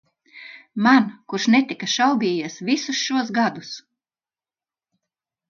Man, kurš netika šaubījies visus šos gadus?